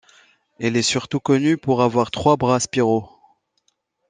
Elle est surtout connue pour avoir trois bras spiraux.